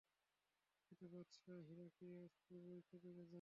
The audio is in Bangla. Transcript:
এতে বাদশা হিরাক্লিয়াস খুবই ক্ষেপে যায়।